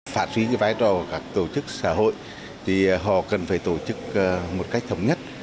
phản trí cái vai trò của các tổ chức xã hội thì họ cần phải tổ chức một cách thống nhất